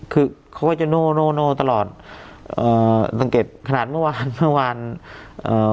คือเขาก็จะโน่โน่โน่ตลอดเอ่อสังเกตขนาดเมื่อวานเมื่อวานเอ่อ